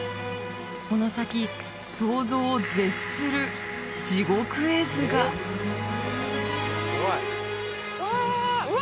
この先想像を絶する地獄絵図がああうわ！